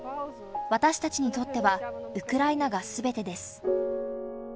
私たちにとってはウクライナがすべてです。